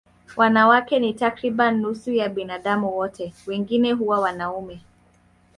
Wanawake ni takriban nusu ya binadamu wote, wengine huwa wanaume.